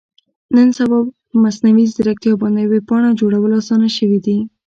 نن سبا په مصنوي ځیرکتیا باندې ویب پاڼه جوړول اسانه شوي دي.